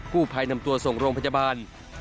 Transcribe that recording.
ผู้ภัยนำตัวส่งโรงพยาบาล